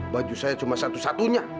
baju saya cuma satu satunya